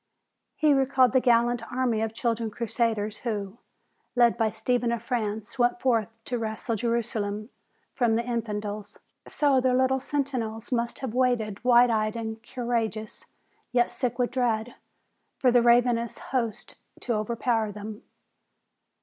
He recalled the gallant army of children crusaders who, led by Stephen of France, went forth to wrest Jerusalem from the infidels. So their little sentinels must have waited wide eyed and courageous, yet sick with dread, for the ravenous hosts to overpower them.